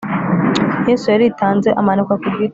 yesu yaritanze amanikwa ku giti